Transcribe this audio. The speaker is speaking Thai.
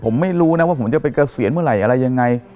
ผมไม่รู้นะว่าผมจะไปเกษียณเมื่อไหร่อะไรยังไง